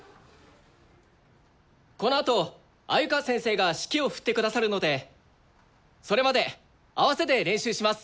このあと鮎川先生が指揮を振ってくださるのでそれまで合わせで練習します。